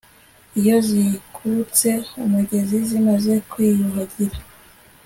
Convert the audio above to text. iyo zikutse umugezi zimaze kwiyuhagira